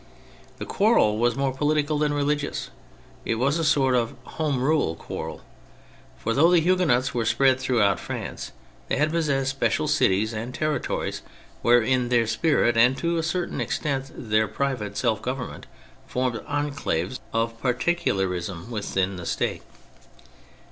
The quarrel was more political than religious; it was a sort of '' Home Rule " quarrel. For though the Huguenots were spread throughout France, they had possessed special cities and territories wherein their spirit and, to a certain extent, their private self government, formed enclaves of particularism within the State.